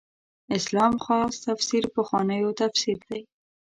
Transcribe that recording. اسلام خاص تفسیر پخوانو تفسیر دی.